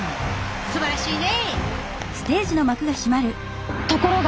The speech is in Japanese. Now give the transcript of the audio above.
すばらしいね！